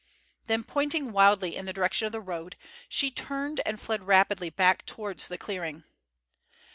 Then pointing wildly in the direction of the road, she turned and fled rapidly back towards the clearing.